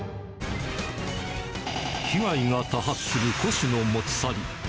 被害が多発する古紙の持ち去り。